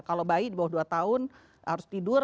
kalau bayi di bawah dua tahun harus tidur